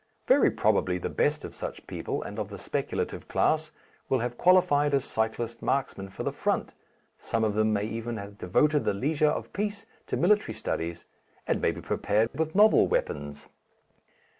Very probably the best of such people and of the speculative class will have qualified as cyclist marksmen for the front, some of them may even have devoted the leisure of peace to military studies and may be prepared with novel weapons.